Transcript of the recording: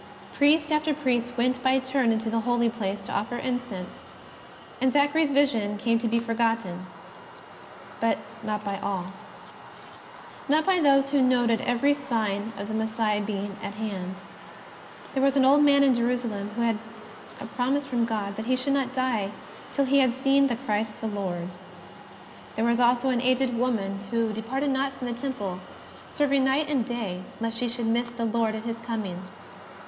Priest after priest went by turn into the Holy Place to offer incense, and Zachary's vision came to be forgotten. But not by all. Not by those who noted every sign of the ^Messiah being at hand. There was an old man in Jerusalem who had a promise from God that he should not die till he had seen the Christ of the Lord. There was an aged woman who JESUS OF NAZAEETH. 15 departed not from the Temple, serving night and day lest she should miss the Lord at His Coming.